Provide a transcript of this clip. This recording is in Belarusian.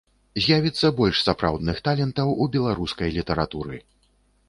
З'явіцца больш сапраўдных талентаў у беларускай літаратуры.